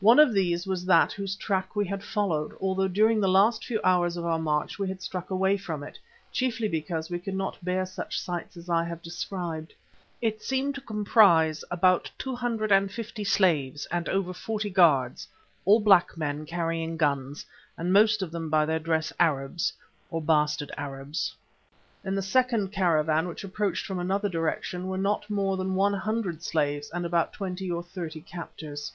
One of these was that whose track we had followed, although during the last few hours of our march we had struck away from it, chiefly because we could not bear such sights as I have described. It seemed to comprise about two hundred and fifty slaves and over forty guards, all black men carrying guns, and most of them by their dress Arabs, or bastard Arabs. In the second caravan, which approached from another direction, were not more than one hundred slaves and about twenty or thirty captors.